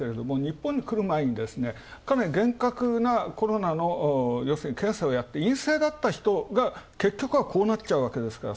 日本に来る前にですね、かなり厳格なコロナの検査をして陰性だった人が結局はこうなっちゃうわけです